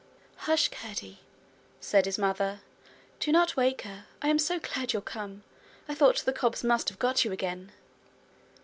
'Hush, Curdie!' said his mother. 'Do not wake her. I'm so glad you're come! I thought the cobs must have got you again!'